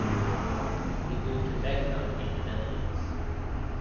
He moved to Veghel in the Netherlands.